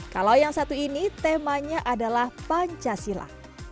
kalau yang satu ini temanya adalah pancasila